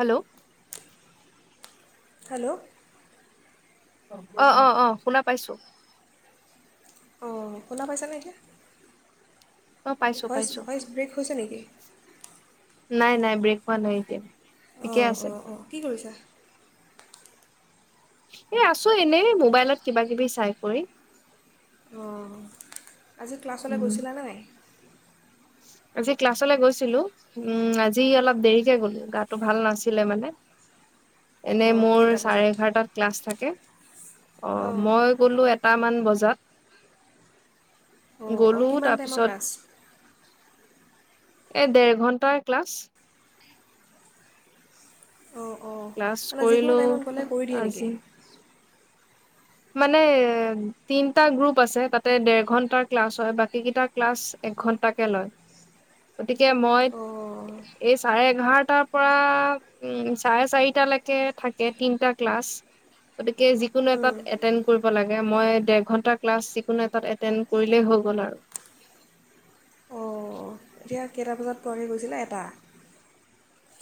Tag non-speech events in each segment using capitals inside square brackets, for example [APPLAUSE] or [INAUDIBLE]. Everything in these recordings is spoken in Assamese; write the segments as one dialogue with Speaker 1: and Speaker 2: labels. Speaker 1: হেল্ল' হে
Speaker 2: হেল্ল'
Speaker 1: অ' অ' অ' শুনা পাইছো
Speaker 2: অ' শুনা পাইছে নে এতিয়া
Speaker 1: অ পাইছো
Speaker 2: ভইচ
Speaker 1: পাইছো
Speaker 2: ভইচ ব্ৰেক হৈছে নেকি?
Speaker 1: নাই নাই ব্ৰেক হোৱা নাই এতিয়া, ঠিকে
Speaker 2: অ'
Speaker 1: আছে
Speaker 2: অ' অ' কি কৰিছা
Speaker 1: এ আছো এনে মোবাইলত কিবা কিবি চাই কৰি।
Speaker 2: অ' আজি ক্লাছলৈ
Speaker 1: উম
Speaker 2: গৈছিলা নে নাই
Speaker 1: আজি ক্লাছলে গৈছিলো উমম আজি অলপ দেৰিকে গ'লো গাটো ভাল নাছিলে মানে এনে
Speaker 2: অঁ
Speaker 1: মোৰ
Speaker 2: কেইটা
Speaker 1: চাৰে
Speaker 2: বজাত
Speaker 1: এঘাৰটাত ক্লাছ থাকে। অ'
Speaker 2: অঁ
Speaker 1: মই গ'লো এটা ছটামান বজাত
Speaker 2: অঁ অঁ
Speaker 1: গলো
Speaker 2: কিমান টাইমৰ
Speaker 1: তাৰপিছত
Speaker 2: ক্লাছ
Speaker 1: এই ডেৰ ঘন্টাৰ ক্লাছ
Speaker 2: অঁ অঁ
Speaker 1: ক্লাছ
Speaker 2: মানে যিকোনো
Speaker 1: কৰিলো
Speaker 2: টাইমত গ'লে কৰি দিয়ে নেকি
Speaker 1: আজি। মানে তিনটা গ্ৰুপ আছে তাতে ডেৰ ঘন্টাৰ ক্লাছ হয় বাকী কেইটা ক্লাছ একঘন্টাকে লয় গতিকে মই
Speaker 2: অঁ
Speaker 1: এই চাৰে এঘাৰটাৰ পৰা উ চাৰে চাৰিটালৈকে থাকে তিনটা ক্লাছ গতিকে যিকোনো
Speaker 2: উম,
Speaker 1: এটাত এটেণ্ড কৰিব লাগে মই ডেৰ ঘণ্টাৰ ক্লাছ যি কোনো এটাত এটেণ্ড কৰিলে হৈ গল আৰু,
Speaker 2: অঁ এতিয়া কেইটা বজাত পোৱাকৈ গৈছিলে এটা,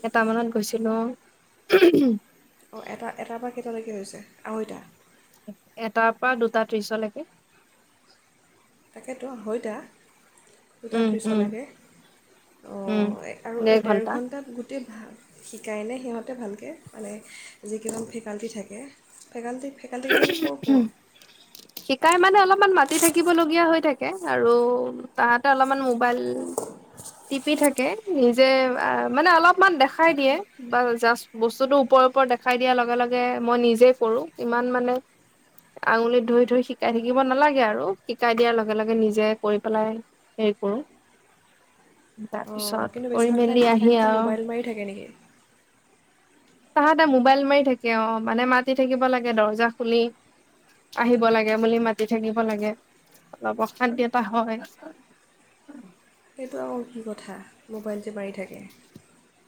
Speaker 1: এটামানত গৈছিলো অ উহু হু
Speaker 2: অ' এটা এটাৰ পৰা কেইটালৈকে হৈছে আঢ়ৈটা
Speaker 1: এটাৰ পৰা দুটা ত্ৰিশলৈকে
Speaker 2: তাকেতো হয় দা দুটা
Speaker 1: উম উম
Speaker 2: ত্ৰীছলৈকে অ
Speaker 1: উম
Speaker 2: আৰু
Speaker 1: দেৰ
Speaker 2: এই ডেৰ
Speaker 1: ঘন্টা
Speaker 2: ঘণ্টাত গোটেই শিকাই নে সিহঁতে ভালকৈ মানে যিকেইজন ফেকাল্টি থাকে ফেকাল্টি ফেকাল্টিকেইজন ক'ৰ ক'ৰ
Speaker 1: শিকাই মানে অলপ, অলপমান মাতি থাকিবলগীয়া হৈ থাকে আৰু তাহাঁতে অলপমান মোবাইল টিপি থাকে নিজে মানে অলপমান দেখাই দিয়ে বা জাষ্ট বস্তুটো ওপৰৰ ওপৰত দেখাই দিয়াৰ লগে লগে মই নিজে কৰোঁ ইমান মানে আঙুলিত ধৰি ধৰি শিকাই থাকিব নালাগে আৰু শিকাই দিয়াৰ লগে লগে নিজে কৰি পেলাই হেৰি কৰো
Speaker 2: অ'
Speaker 1: তাৰপিছত
Speaker 2: কিন্তু
Speaker 1: কৰি
Speaker 2: বেছভাগ টাইম
Speaker 1: মেলি আহি
Speaker 2: টাইম কি
Speaker 1: আৰু
Speaker 2: মোবাইল মাৰি থাকে নেকি
Speaker 1: তাহাঁতে মোবাইল মাৰি থাকে অ মানে মাতি থাকিব লাগে দৰ্জা খুলি আহিব লাগে বুলি মাতি থাকিব লাগে অলপ অশান্তি এটা হয়।
Speaker 2: সেইটো আকৌ কি কথা মোবাইল যে মাৰি থাকে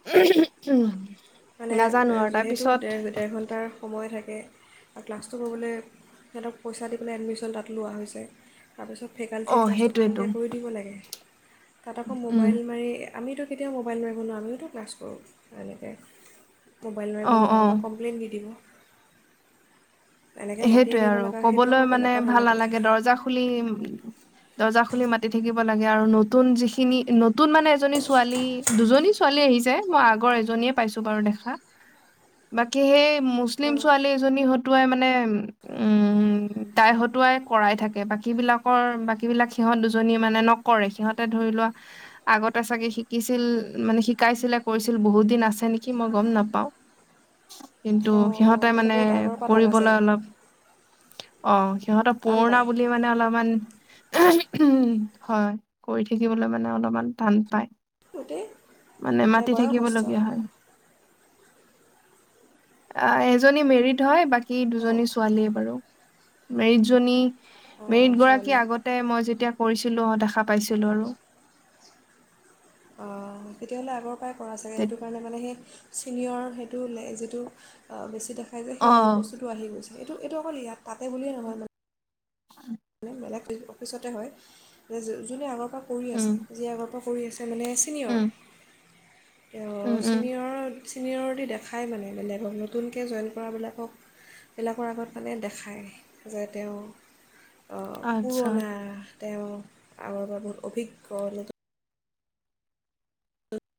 Speaker 1: উম [UNINTELLIGIBLE]
Speaker 2: মানে যিহেতুৰ ডেৰ ঘণ্টাৰ সময় থাকে আৰু ক্লাছটো কৰিব'লৈ সিহঁতক পইচা দি পেললৈ এডমিশ্যন তাত লোৱা হৈছে তাৰপিছত
Speaker 1: অ
Speaker 2: ফেকাল্টি ক্লাছটো
Speaker 1: সেইটোৱেতো
Speaker 2: ভালকৈ কৰি দিব লাগে, তাত আকৌ
Speaker 1: উম
Speaker 2: মোবাইল মাৰি আমিতো কেতিয়াও মোবাইল নিব নোৱাৰো আমিও টো ক্লাছ কৰোঁ এনেকৈ মোবাইল নোৱাৰিব
Speaker 1: অ
Speaker 2: নোৱাৰঁ
Speaker 1: অ
Speaker 2: আমাক কপ্লেইন দি দিব। এনেকৈ মাতি
Speaker 1: সেইটোৱে
Speaker 2: আনিব
Speaker 1: আৰু
Speaker 2: লগা সেইটো
Speaker 1: কবলৈ
Speaker 2: আকৌ
Speaker 1: মানে
Speaker 2: কেনেকুৱা
Speaker 1: ভাল
Speaker 2: ধৰণৰ কথা
Speaker 1: নালাগে দৰ্জা খুলি দৰ্জা খুলি মাতি থাকিব লাগে, আৰু নতুন যিখিনি নতুন মানে এজনী ছোৱালী দুজনী ছোৱালী আহিছে মই আগৰ এজন পাইছো বাৰু দেখা বাকী সে মুছলিম
Speaker 2: অঁ
Speaker 1: ছোৱালী এজনী টোৱাই মানে উম তাই হতুৱাই কৰাই থাকে বাকী বিলাকৰ বাকী বিলাক সিহঁত দুজনীয়ে মানে নকৰে সিহঁতে ধৰি লোৱা আগতে চাগে শিকিছিল মানে শিকাইছিলে কৰিছিল বহুত দিন আছে নেকি মই গম নাপাও কিন্তু সিহত
Speaker 2: অঁ
Speaker 1: তাই মানে
Speaker 2: বহুত আগৰ পৰা থাকা
Speaker 1: কৰিবলৈ
Speaker 2: চাগে
Speaker 1: অলপ অ', সিহঁতক
Speaker 2: টান
Speaker 1: পুৰণা
Speaker 2: পায়
Speaker 1: বুলি মানে অলপমান উ হয়' কৰি থাকিবলৈ মানে অলপমান টান পায়।
Speaker 2: গোটেই
Speaker 1: মানে
Speaker 2: নে
Speaker 1: মাতি
Speaker 2: বয়সস্থ
Speaker 1: থাকিবলগীয়া হয়। আহ' এজনী মেৰিড হয় বাকী সেই
Speaker 2: অঁ
Speaker 1: দুজনী আৰু মেৰিজনী
Speaker 2: অঁ
Speaker 1: মেইদ গৰাকী
Speaker 2: ছোৱালী
Speaker 1: আগতে মই যেতিয়া কৰিছিলো অ' দেখা পাইছিলোঁ আৰু
Speaker 2: অ' তেতিয়াহ'লে আগৰ ভয় কৰা চাগে কৰা চাগে
Speaker 1: তে-
Speaker 2: সেইটো কাৰণে মানে সেই ছিনিয়ৰ সেইটো ল যিটো বেছি দে খাই যে
Speaker 1: অ
Speaker 2: সেই আহি বস্তুটো আহি গৈছে এইটো', এইটো', অকল ইয়াত তাতে বুলিয়ে নহয় মানে
Speaker 1: [UNINTELLIGIBLE]
Speaker 2: বেলেগ অফিচতে হয় যোনে আগৰ কৰি
Speaker 1: উম
Speaker 2: আছে যে আম কৰি আছে' তাৰ মানে ছিনিয়ৰ
Speaker 1: উম
Speaker 2: তেওঁ
Speaker 1: উম উম
Speaker 2: চিনিয়ৰ চিনিয়ৰিটি দেখায় মানে বেলেগক নতুনকৈ জইন কৰাবিলাকক এইবিলাকৰ আগত মানে দেখায় যে তেওঁ
Speaker 1: আতচ্ছা'।
Speaker 2: পুৰণা তেওঁ আৰু বাবে বহুত অভিজ্ঞ।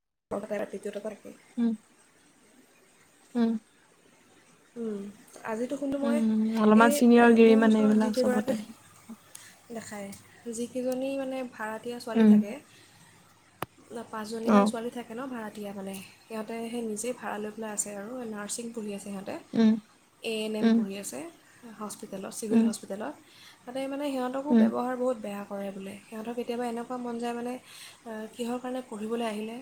Speaker 2: [UNINTELLIGIBLE] থাকে।
Speaker 1: উম। উম।
Speaker 2: উম। আজিতো সোণটো
Speaker 1: উম
Speaker 2: মই
Speaker 1: অলপমান
Speaker 2: এই
Speaker 1: চিনিয়ৰ গিৰি
Speaker 2: মোৰ
Speaker 1: মানে
Speaker 2: ওচৰত
Speaker 1: এইবিলাক চবতে
Speaker 2: জিকৰাগী দেখায় জিকেজনি মানে। ভাৰাতীয়া ছোৱালী
Speaker 1: উম
Speaker 2: থাকে। ন
Speaker 1: অ
Speaker 2: পাঁচজনীমান ছোৱালী থাকে ন ভাৰত। এতিয়া মানে সিহঁতে সাই নিজেই ভাবি লৈ পেলাই আছে আৰু নাৰ্চিং পঢ়ি আছে সিহঁত।
Speaker 1: উম
Speaker 2: এ ম-ম
Speaker 1: উম
Speaker 2: পঢ়ি আছে। হস্পিটেলত চিভিল
Speaker 1: উম
Speaker 2: হস্পিটেলত। তাতে মানে সিহঁতকো
Speaker 1: উম
Speaker 2: বব্যৱহাৰ বহুত বেয়া কৰে। কৰে বোলে সিহঁতৰ কেতিয়াবা এনেকুৱা মন জাই মানে কিহৰ কাৰণে পঢ়িবলৈ আহিলে।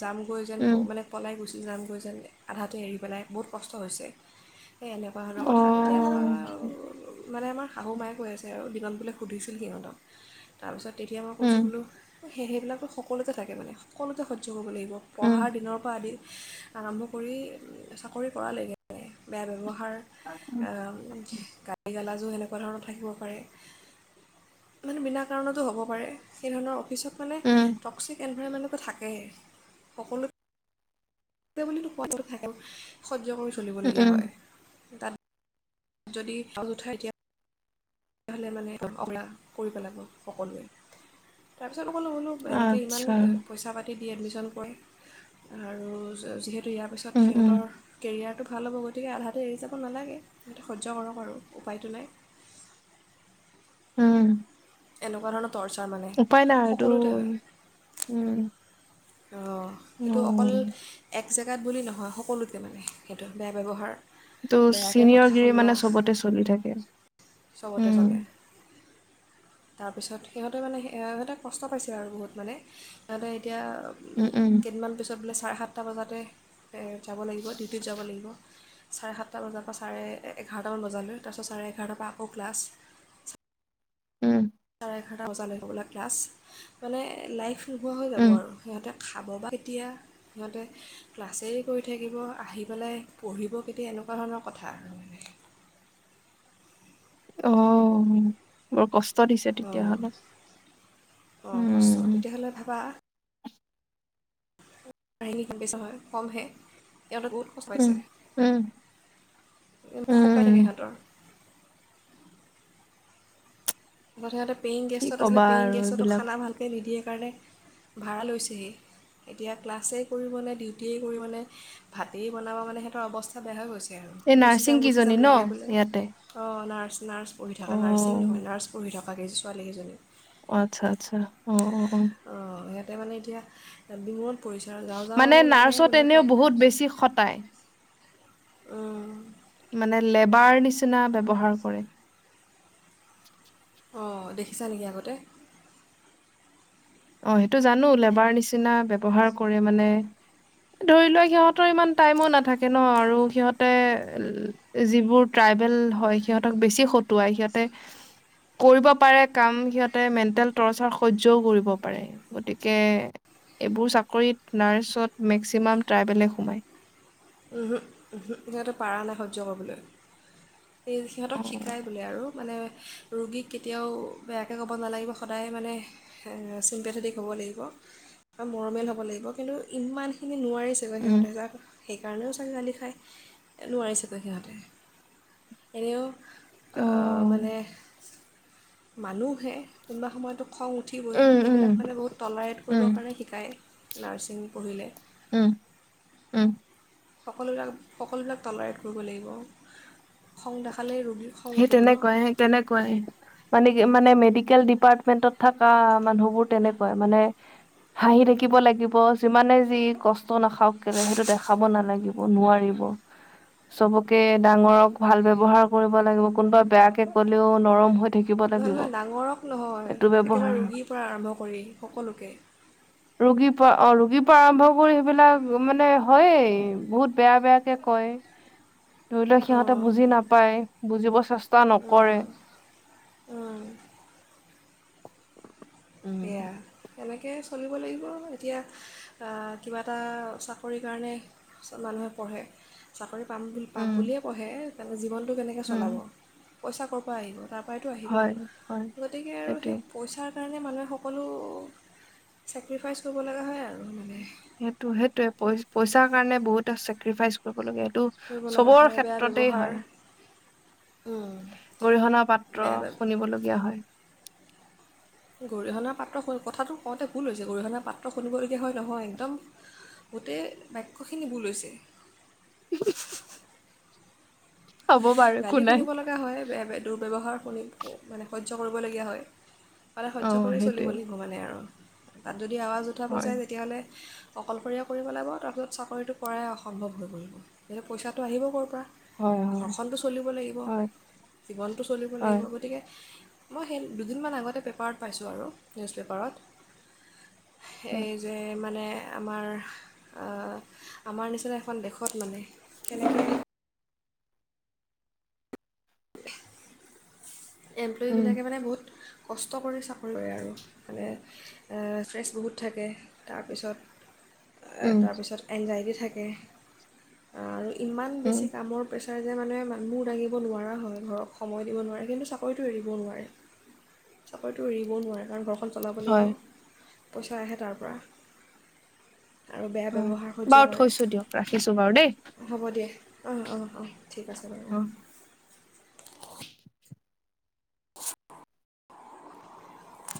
Speaker 2: যামগৈ যেন
Speaker 1: উম
Speaker 2: মানে পলাই গৈ গুচি যাম গৈ যান অধতাই এৰি পেলাই বহুত কষ্ট হৈছে এই এনেকুৱা আৰু
Speaker 1: অ
Speaker 2: কথা তেতিয়া মই মানে মই শাহু মায় কৈ আছে আৰু যম বুলি সুধিছিলোঁ সিহঁতৰ তাৰপিছত তেতিয়া মই
Speaker 1: উম
Speaker 2: কৈছোঁ বোলো সেই শয়ভিলকতে সকলোতে থাকে মানে সকলোতে স্পীজ কৰিব লাগিব।
Speaker 1: উম
Speaker 2: পোহৰ দিনৰ পৰা আদি। আৰম্ভ কৰি চাকৰি কৰালৈকে। বেয়া ব্যৱহাৰ গালি গালাজ যেনেকুৱা ধৰণাউৰ থাকিব পাৰে মানে বিনা কৰোঁতাও হব পাৰে সেইধৰণৰ পিছত মানে
Speaker 1: উম
Speaker 2: টোষিক এন প্ৰাই মানুহটো থাকেই সকলো [UNINTELLIGIBLE] তেওঁক কৈ স্পীজ কৰি
Speaker 1: উম,
Speaker 2: চলিবলগীয়া
Speaker 1: উম,
Speaker 2: হয়। তাত। যদি তল উঠাই দিয়া তেতিয়া হলে মানে [UNINTELLIGIBLE] কোটি পেলাব সকলোৱেই তাৰ পি [UNINTELLIGIBLE] হেনেকে ইমান
Speaker 1: আচ্ছা।
Speaker 2: পইচা পাতি তিদি এডমিশ্যন কৈ আৰু স চিগ্ৰত্তে ত ইয়াৰ পিছত
Speaker 1: উম, উম,
Speaker 2: সিহঁতৰ কেৰিয়াৰটো? ভাল হ'ব গতিকে আধাতে এৰি যাব নালাগে। সেইটো সহ্য কৰক আৰু উপায়টো নাই।
Speaker 1: ও'।
Speaker 2: এনেকুৱা ধৰণৰ টৰ্চাৰ মানে
Speaker 1: উপায় নাই আৰুটো
Speaker 2: সকলোতে হয়
Speaker 1: ও' ও'।
Speaker 2: সেইটো অকল এক জেগাত বুলি নহয়, সকলোতে মানে সেইটো বেয়া ব্যৱহাৰ।
Speaker 1: তো
Speaker 2: বেয়াকৈ কথা
Speaker 1: চিনিয়ৰ গিৰি
Speaker 2: শুনোৱা
Speaker 1: মানে চবতে চলি থাকে। ও'।
Speaker 2: চবতে চলে তাৰপিছত, সিহঁতে মানে সিহঁতে কষ্ট পাইছিল আৰু বহুত, মানে সিহঁতে এতিয়া
Speaker 1: উম, উম,
Speaker 2: কেইদমান পিছত চব বোলে চাৰে সাতটা বজাতে যাব লাগিব, ডিউটিত যাব লাগিব। চাৰে সাতটা বজাৰ পৰা চাৰে এঘাৰটামান বজালৈ, তাৰপিছত চাৰে এঘাৰটাৰ পৰা আকৌ ক্লাছ।
Speaker 1: ও'।
Speaker 2: চাৰে এঘাৰটা বজালৈ য'বলৈ ক্লাছ, মানে লাইফ নোহোৱা হৈ যাব
Speaker 1: উম,
Speaker 2: আৰু সিহঁতে। খাব বা কেতিয়া, সিহঁতে ক্লাছেৰে কৰি থাকিব, আহি পেলাই পঢ়িব কেতিয়া এনেকুৱা ধৰণৰ কথা।
Speaker 1: অ, বৰ কষ্ট দিছে
Speaker 2: অ'
Speaker 1: তেতিয়াহ'লে।
Speaker 2: অ' কষ্ট
Speaker 1: উম,
Speaker 2: তেতিয়াহ'লে ভাবা? [UNINTELLIGIBLE] ইহঁতে বহুত কষ্ট
Speaker 1: উম,
Speaker 2: পাইছে,
Speaker 1: উম,
Speaker 2: এক খুকাই থাকে
Speaker 1: উম,
Speaker 2: ইিহঁতৰ। [UNINTELLIGIBLE] পেয়িং
Speaker 1: কি
Speaker 2: গেষ্টত আছিলে,
Speaker 1: ক'বা
Speaker 2: পেয়ং
Speaker 1: আৰু
Speaker 2: গেষ্টত
Speaker 1: এইবিলাক
Speaker 2: খানা ভালকৈ নিদিয়ে। কাৰণে ভাড়া লৈছেহি, এতিয়া ক্লাছেই কৰিবনে ডিউটিয়েই কৰিবনে ভাতেই বনাব মানে সিহঁতৰ অৱাস্থা বেয়া হৈ গৈছে। ত আৰু
Speaker 1: এই
Speaker 2: গুচি
Speaker 1: নাৰ্ছিং
Speaker 2: যাম গুচি
Speaker 1: কিজনী
Speaker 2: যাম
Speaker 1: ন
Speaker 2: লাগে বোলে
Speaker 1: ইয়াতে?
Speaker 2: অঁ নাৰ্ নাৰ্ছ পঢ় থকা, নাৰ্ছিং
Speaker 1: অ',
Speaker 2: নহয় নাৰ্ছ বগাকে ছোৱালীকেইজনী?
Speaker 1: অ' আচ্ছা আচ্ছা অ' অ'।
Speaker 2: অ' ইয়া তাই মানে এতিয়া বিমোৰত
Speaker 1: মানে নাৰ্ছত এনেও বহুত বেছি খটায়।
Speaker 2: উম
Speaker 1: মানে, লেবাৰ নিচিনা ব্যৱহাৰ কৰে।
Speaker 2: অ', দেখিছা নেকি আগতে?
Speaker 1: [UNINTELLIGIBLE] গতিকে এইবোৰ চাকৰিত নাৰ্চত মেক্সিমাম ট্ৰাইবলে সোমায়।
Speaker 2: ওহোঁ ওহোঁ সিহঁতে পাৰা নাই সহ্য কৰিবলৈ এই সিহঁতক
Speaker 1: অ
Speaker 2: শিকায় বোলে আৰু মানে, ৰোগীক কেতিয়াও বেয়াকৈ ক'ব নালাগিব সদায় মানে চিম্পেথেটিক হ'ব লাগিব আৰু মৰমিয়াল হব লাগিব। কিন্তু ইমানখিনি নোৱাৰিছে বা
Speaker 1: উম
Speaker 2: সিহঁতে যাৰ সেইকাৰণেও ছোৱালী গালি খাই। নোৱাৰিছে তো সিহঁতে। এনেও অ' মানে মানুহহে কোনবা সময়তো খং উঠিবই
Speaker 1: উম উম
Speaker 2: সেইবিলাক মানে বহুত টলাৰেট
Speaker 1: উম
Speaker 2: কৰিবৰ কাৰণে শিকায় নাৰ্ছিং পঢ়িলে
Speaker 1: উম উম!
Speaker 2: সকলোবিলাক সকলোবিলাক টলাৰেট কৰিব লাগিব খহং দেখালেই ৰু
Speaker 1: সেই তেনেকুৱাই সেই তেনেকুৱাই মানে কি মানে ম ডিকেল ডিপাৰ্টমেণ্টত থকা মানুহবোৰ তেনেকুৱাই। মানে হাঁহি থাকিব লাগিব, যিমানে যি কষ্ট নাখাওক কেলে সেইটো দেখাব নালাগিব। নোৱাৰিব। সবকে ডাঙৰক ভাল ব্যৱহাৰ কৰিব লিব কোনোবা বেয়াকে ক'লেও নৰম হৈ থাকিব লাগিব
Speaker 2: হয় ডাঙৰক নহয়
Speaker 1: এইটো
Speaker 2: একেবাৰে
Speaker 1: ব্যৱহাৰ
Speaker 2: ৰোগীৰ পৰা আৰম্ভ কৰি সকলোকে,
Speaker 1: ৰোগীৰ পৰা অ ৰোগীৰ পৰা আৰম্ভ কৰি সেইবিলাক মানে হয়েই বহুত বেয়া বেয়াকে কয় ধৰি লওক সিহঁতে
Speaker 2: অঁ
Speaker 1: বুজি নাপায় বুজিব চেষ্টা
Speaker 2: অঁ
Speaker 1: নকৰে।
Speaker 2: অঁ
Speaker 1: উম
Speaker 2: সেয়া এনেকে চলিব লাগিব এতিয়া আ কিবা এটা চাকৰিৰ কাৰণে মানুহে পঢ়ে চাকৰি পাম বুলি পাম
Speaker 1: উম
Speaker 2: বুলিয়ে পঢ়ে তেনে জীৱন, টো কেনেকে
Speaker 1: উম
Speaker 2: চলাব, পইচা ক'ৰ পৰা আহিব তাৰপৰাইতো আহিব।
Speaker 1: হয় হয়
Speaker 2: গতিকে আৰু সেই
Speaker 1: সেইটোৱে
Speaker 2: পইচাৰ কাৰণে মানুহে, সকলো চেক্ৰিফাইচ কৰিব লগা হয় আৰু মানে
Speaker 1: সেইটো সেইটোয়ে পই পইচাৰ কাৰণে বহুতে চেক্ৰিফাইচ কৰিব লগীয়া, টো
Speaker 2: কৰিব লগা
Speaker 1: চবৰ
Speaker 2: হয় বেয়া
Speaker 1: ক্ষেত্ৰতেই
Speaker 2: ব্যৱহাৰ
Speaker 1: হয়। গৰিহনা পাত্ৰ
Speaker 2: বেয়া বেয়া
Speaker 1: শুনিবলগীয়া হয়।
Speaker 2: গৰিহণাৰ পাত্ৰ কথাটো কওঁতে ভুল হৈছে গৰিহণাৰ পাত্ৰ শুনিব দে হয় নহয় একদম, গোটেই বাক্যখিনি ভূল হৈছে।
Speaker 1: ওহোঁ হু
Speaker 2: গালি
Speaker 1: নাই।
Speaker 2: শুনিব লগা হয় বেয়া বে দুৰ্ব্যৱহাৰ শুনি মানে সহ্য কৰিবলগীয়া হয়। মানে সহ্য
Speaker 1: অ'
Speaker 2: কৰিয়ে
Speaker 1: সেইটোৱে
Speaker 2: চলিব লাগিব মানে আৰু। তাত যদি আৱাজ উঠাব
Speaker 1: হয়,
Speaker 2: যায় তেতিয়াহ'লে, অকলশৰীয়া কৰিব লাগিব তাৰপিছত চাকৰিটো কৰাই অসম্ভৱ হৈ পৰিব কিন্ত পইচাটো আহিব ক'ৰ পৰা
Speaker 1: হয় হয়।
Speaker 2: ঘৰ খনটো চলিব লাগিব
Speaker 1: হয়,
Speaker 2: জীৱনটো চলিব
Speaker 1: হয়,
Speaker 2: লাগিব গতিকে, মই সেই দুদিনমান আগতে পেপাৰত পাইছোঁ আৰু নিউজ পেপাৰত,
Speaker 1: হয়,
Speaker 2: এই যে মানে, আমাৰ আ আমাৰ নিচিনা এখন দেশত মানে কেনেকে,
Speaker 1: উম,
Speaker 2: এম্প্লয়ীবিলাকে মানে বহুত, কষ্ট কৰি চাকৰি লয় আৰু মানে ফ্ৰেছ বহুত থাকে তাৰপিছত,
Speaker 1: উম,
Speaker 2: তাৰপিছত এনজাইটি থ আ ইমান
Speaker 1: উম,
Speaker 2: বেছি কামৰ প্ৰেছ, যে মানুহে মূৰ ডাঙিব নোৱাৰা হয় ঘৰক সময় দিব নোৱাৰে কিন্তু চ চাকৰিটো এৰিব নোৱাৰে চাকৰিটো এৰিব নোৱাৰে কাৰণ, চলাব লাগিব,
Speaker 1: হয়,
Speaker 2: পইচা আহে তাৰপৰা, আৰু বেয়া
Speaker 1: হয়
Speaker 2: ব্যৱহাৰ সহ্য
Speaker 1: বাৰু
Speaker 2: কৰে
Speaker 1: থৈছো দিয়ক ৰাখিছো বাৰু দেই।
Speaker 2: উ অ' অ' ঠিক আছে বাৰু
Speaker 1: অ'। [UNINTELLIGIBLE]